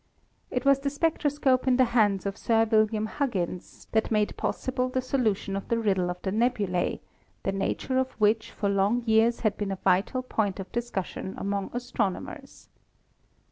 It was the spectroscope in the hands of Sir William Huggins that made possible the solution of the riddle of the nebulae, the nature of which for long years had been a vital point of discussion among astronomers.